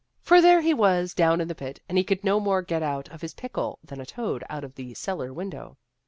For there he was down in the pit, and he could no more get out of his pickle than a toad out of the cellar window.